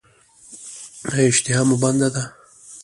ایا اشتها مو بنده ده؟